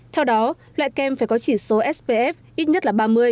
theo đó loại kem phải có chỉ số spf ít nhất là ba mươi